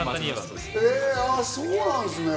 そうなんですね。